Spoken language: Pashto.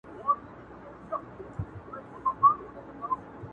سېل د زاڼو پر ساحل باندي تیریږي!!